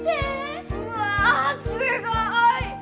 すごい。